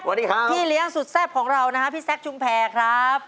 สวัสดีครับพี่เลี้ยงสุดแซ่บของเรานะครับพี่แซ็คจุงแพร่ครับ